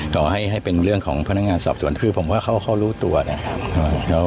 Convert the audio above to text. ต่อให้เป็นเรื่องของพนักงานสอบสวนคือผมว่าเขารู้ตัวนะครับ